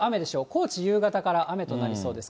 高知、夕方から雨となりそうです。